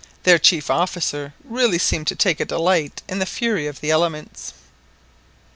Their chief officer really seemed to take a delight in the fury of the elements.